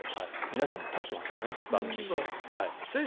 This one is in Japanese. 皆さんも立っていますからね、番組中。